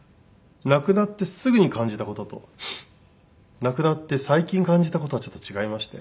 亡くなってすぐに感じた事と亡くなって最近感じた事はちょっと違いまして。